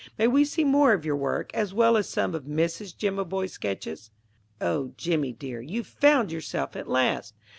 May we see more of your work, as well as some of Mrs. Jimaboy's sketches? "O Jimmy, dear, you found yourself at last!"